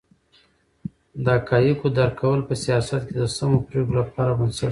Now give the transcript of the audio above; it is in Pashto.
د حقایقو درک کول په سیاست کې د سمو پرېکړو لپاره بنسټ دی.